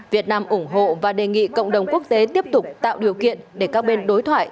việt nam ủng hộ và đề nghị cộng đồng quốc tế tiếp tục tạo điều kiện để các bên đối thoại